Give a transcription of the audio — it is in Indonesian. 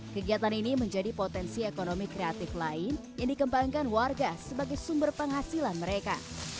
kegiatan ini menjadi potensi ekonomi kreatif lain yang dikembangkan warga sebagai sumber penghasilan mereka